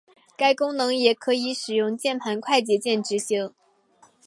该功能也可以使用键盘快捷键执行。